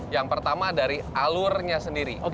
yang pertama dari alurnya sendiri